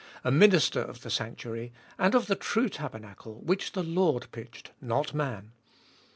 A minister of the sanctuary, and of the true tabernacle, which the Lord pitched, not man.